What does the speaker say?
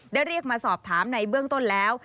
เรียกมาสอบถามในเบื้องต้นแล้ว